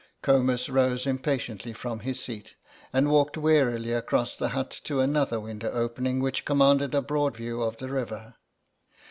Comus rose impatiently from his seat, and walked wearily across the hut to another window opening which commanded a broad view of the river.